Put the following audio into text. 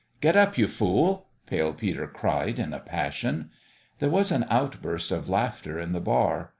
" Get up, you fool !" Pale Peter cried, in a passion. There was an outburst of laughter in the bar.